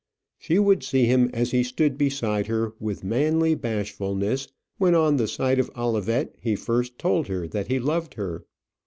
She would see him as he stood beside her with manly bashfulness, when on the side of Olivet he first told her that he loved her.